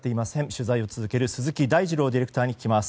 取材を続ける鈴木大二朗ディレクターに聞きます。